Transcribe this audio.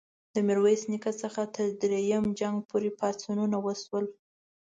د میرویس نیکه څخه تر دریم جنګ پوري پاڅونونه وشول.